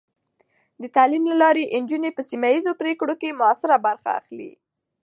د تعلیم له لارې، نجونې په سیمه ایزې پرېکړو کې مؤثره برخه اخلي.